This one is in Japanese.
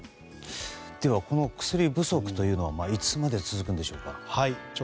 では、この薬不足はいつまで続くんでしょうか。